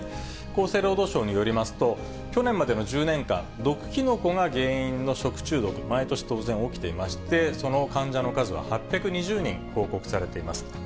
厚生労働省によりますと、去年までの１０年間、毒キノコが原因の食中毒、毎年当然、起きていまして、その患者の数は８２０人報告されています。